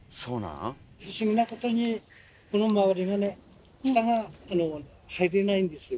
不思議なことにこの周りがね草が生えてないんですよ。